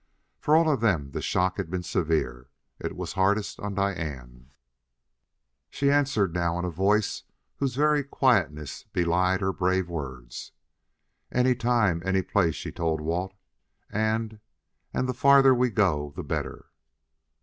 For all of them the shock had been severe; it was hardest on Diane. She answered now in a voice whose very quietness belied her brave words. "Any time any place!" she told Walt. "And and the farther we go the better!"